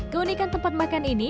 keunikan tempat makan ini